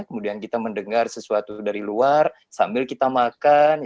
kemudian kita mendengar sesuatu dari luar sambil kita makan